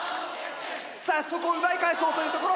さあそこを奪い返そうというところ。